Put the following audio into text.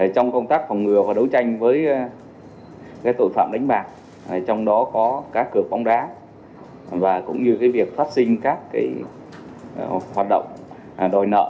công an tp hcm cũng như việc phát sinh các hoạt động đòi nợ